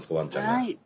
はい。